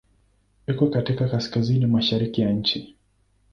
Iko katika kaskazini-mashariki ya nchi.